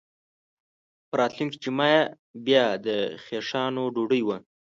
په راتلونکې جمعه یې بیا د خیښانو ډوډۍ وه.